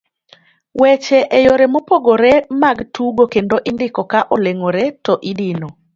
weche e yore mopogore mag tugo kendo indiko ka oleng'ore to idino